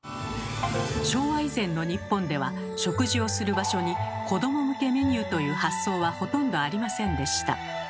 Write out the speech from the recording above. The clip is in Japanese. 昭和以前の日本では食事をする場所に「子ども向けメニュー」という発想はほとんどありませんでした。